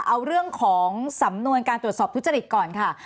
เอาเรื่องของสำนวนการตรวจสอบทุจริตก่อนค่ะ